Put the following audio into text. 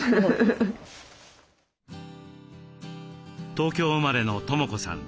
東京生まれの知子さん。